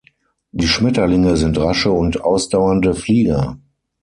Die Schmetterlinge sind rasche und ausdauernde Flieger.